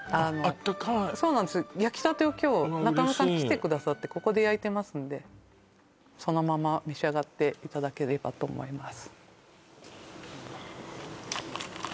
あったかい焼きたてを今日中山さんきてくださってここで焼いてますんでそのまま召し上がっていただければと思います